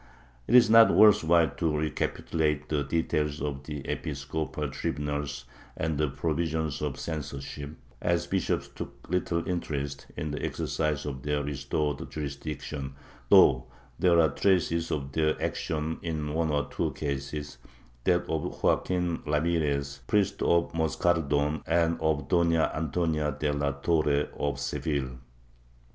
It is not worth while to recapitulate the details of the episcopal tribunals and the pro visions for censorship, as the bishops took little interest in the exercise of their restored jurisdiction, though there are traces of their action in one or two cases — that of Joaquin Ramirez, priest of Moscardon and of Dona Antonia de la Torre of Seville.